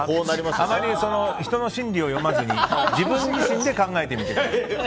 あまり人の心理を読まずに自分自身で考えてください。